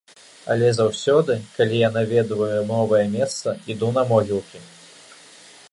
Але заўсёды, калі я наведваю новае месца, іду на могілкі.